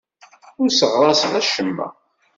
Ur sseɣraseɣ acemma.